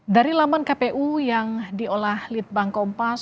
dari laman kpu yang diolah litbang kompas